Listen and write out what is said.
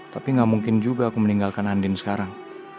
tapi gak mungkin juga aku meninggalkan andin sekarang